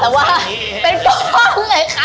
ได้แต่ว่าเป็นตัวเหรอคะ